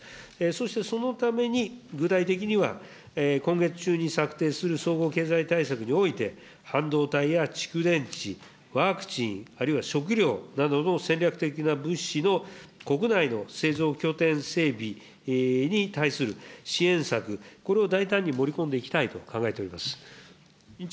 そして、そのために具体的には、今月中に策定する総合経済対策において、半導体や蓄電池、ワクチン、あるいは食料などの戦略的な物資の国内の製造拠点整備に対する支援策、これを大胆に盛り込んでいきたいと考えております。